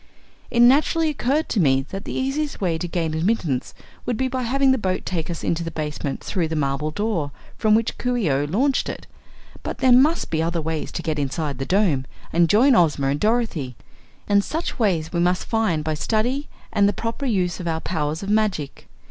It naturally occurred to me that the easiest way to gain admittance would be by having the boat take us into the basement through the marble door from which Coo ee oh launched it. But there must be other ways to get inside the Dome and join Ozma and Dorothy, and such ways we must find by study and the proper use of our powers of magic."